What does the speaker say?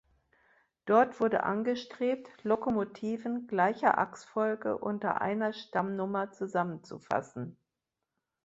Dort wurde angestrebt, Lokomotiven gleicher Achsfolge unter einer Stammnummer zusammenzufassen.